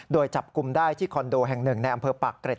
โดยจับกลุ่มได้ที่คอนโดแห่งหนึ่งในอำเภอปากเกร็ด